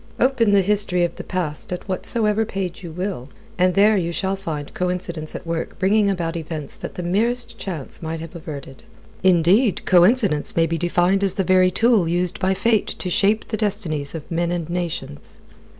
Open the history of the past at whatsoever page you will, and there you shall find coincidence at work bringing about events that the merest chance might have averted. Indeed, coincidence may be defined as the very tool used by Fate to shape the destinies of men and nations.